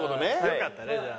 よかったねじゃあ。